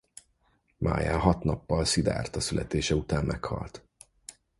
Májá hat nappal Sziddhártha születése után meghalt.